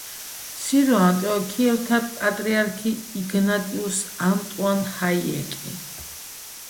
სირო-ანტიოქიელთა პატრიარქი იგნატიუს ანტუან ჰაიეკი.